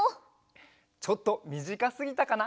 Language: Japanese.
ちょっとみじかすぎたかな？